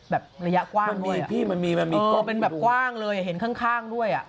แบบระยะกว้างด้วยอ่ะเป็นแบบกว้างเลยเห็นข้างด้วยอ่ะ